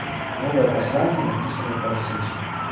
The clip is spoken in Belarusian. Новае пасланне напісанае па-расейску.